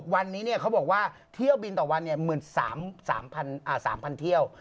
วันนี้เขาบอกว่าเที่ยวบินต่อวัน๑๓๐๐เที่ยว